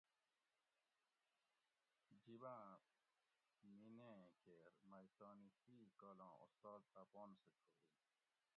جِب آں میینہ ایں کیر مئ تانی ڷی کالاں استاز اپان سہۤ چھورو